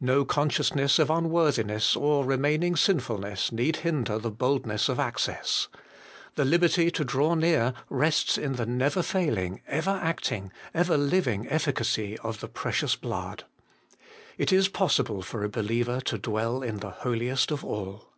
No consciousness of unworthiness or remaining sinfulness need hinder the boldness of access : the liberty to draw near rests in the never failing, ever acting, ever living efficacy of the Precious Blood. It is possible for a believer to dwell in the Holiest of all.